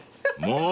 ［もう！